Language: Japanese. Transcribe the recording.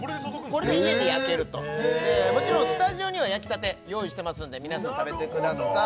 これで家で焼けるともちろんスタジオには焼きたて用意してますんで皆さん食べてください